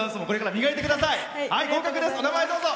お名前、どうぞ。